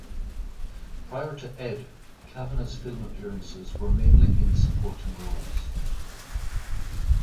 Prior to "Ed", Cavanagh's film appearances were mainly in supporting roles.